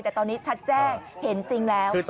แต่ตอนนี้ชัดแจ้งเห็นจริงแล้ว